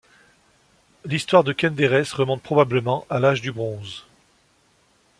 L'histoire de Kenderes remonte probablement à l'Âge du Bronze.